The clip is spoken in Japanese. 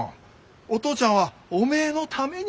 お父ちゃんはおめえのために。